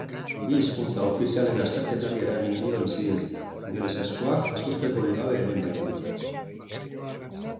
Bi hizkuntza ofizialen azterketari eragin dio inzidentziak, ingelesezkoak ezustekorik gabe egin baitzituzten.